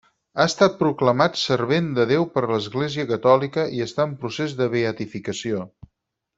Ha estat proclamat servent de Déu per l'Església catòlica, i està en procés de beatificació.